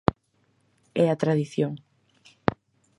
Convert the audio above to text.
É a tradición.